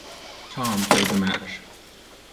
Thom played the match.